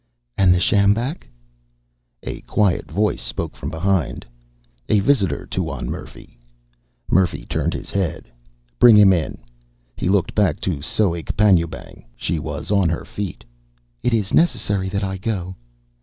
"And the sjambak?" A quiet voice spoke from behind. "A visitor, Tuan Murphy." Murphy turned his head. "Bring him in." He looked back to Soek Panjoebang. She was on her feet. "It is necessary that I go."